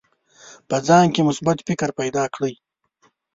په ځان کې مثبت فکر پیدا کړئ.